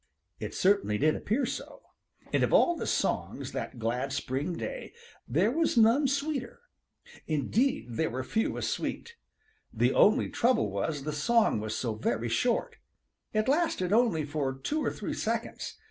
It certainly did appear so, and of all the songs that glad spring day there was none sweeter. Indeed there were few as sweet. The only trouble was the song was so very short. It lasted only for two or three seconds.